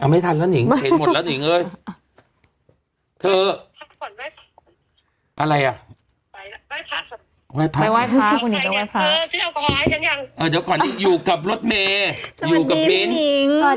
ปิดกล้องก่อนปิดกล้องก่อนไม่ทันแล้วหนิงเห็นหมดแล้วหนิงเอ้ย